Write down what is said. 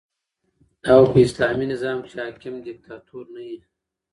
او په اسلامي نظام کښي حاکم دیکتاتور نه يي.